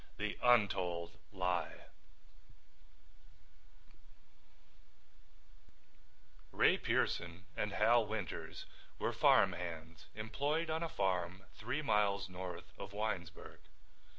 THE UNTOLD LIE Ray Pearson and Hal Winters were farm hands employed on a farm three miles north of Winesburg.